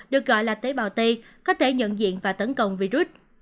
được gọi là tế bào t có thể nhận diện và tấn công virus